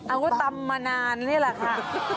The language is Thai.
เอาวะตำนานนี้แหละค่ะ